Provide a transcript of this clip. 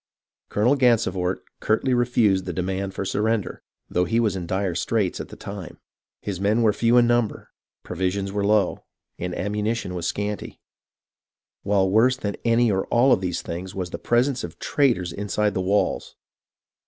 Colonel Gansevoort curtly refused the demand for sur render, though he was in dire straits at the time. His men were few in number, provisions were low, and am munition was scanty ; while worse than any or all of these things was the presence of traitors inside the walls.